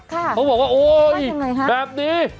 เขาบอกว่าโอ๊ยแบบนี้